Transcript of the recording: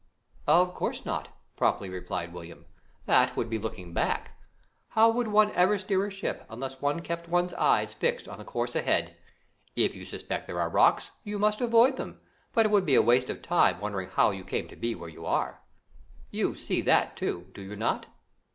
"Of course not," promptly replied William, "that would be looking back. How would one ever steer a ship, unless one kept one's eyes fixed on the course ahead? If you suspect there are rocks, you must avoid them, but it would be a waste of time wondering how you came to be where you are. You see that, too, do you not?"